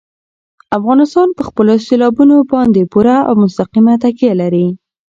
افغانستان په خپلو سیلابونو باندې پوره او مستقیمه تکیه لري.